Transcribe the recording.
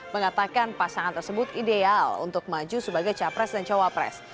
mengatakan pasangan tersebut ideal untuk maju sebagai capres dan cawapres